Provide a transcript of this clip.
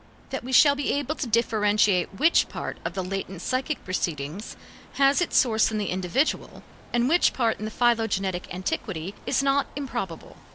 That we shall be able to differentiate which part of the latent psychic proceeding has its source in the individual, and which part in the philogenetic antiquity is not improbable.